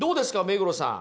目黒さん。